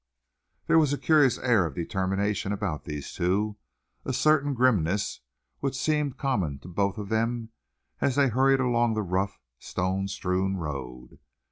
There was a curious air of determination about these two, a certain grimness which seemed common to both of them, as they hurried along the rough, stone strewn road.